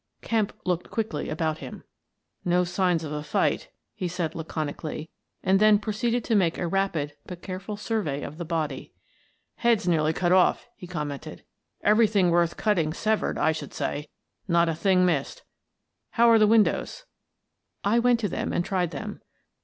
Kemp looked quickly about him. " No signs of a fight," he said, laconically, and then proceeded to make a rapid but careful survey of the body. " Head's nearly off," he commented. " Every thing worth cutting severed, I should say — not a thing missed. How are the windows?" I went to them and tried them.